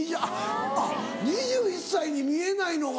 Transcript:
あっ２１歳に見えないのが。